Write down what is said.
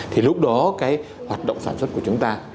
thì lúc đó cái hoạt động sản xuất của chúng ta